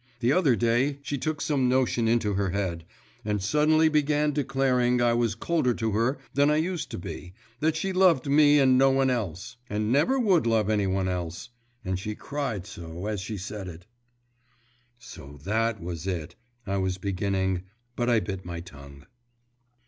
The other day she took some notion into her head, and suddenly began declaring I was colder to her than I used to be, that she loved me and no one else, and never would love any one else.… And she cried so, as she said it ' 'So that was it,' I was beginning, but I bit my tongue.